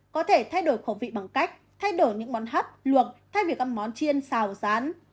có thể thay đổi khẩu vị bằng cách thay đổi những món hắt luộc thay vì găm món chiên xào rán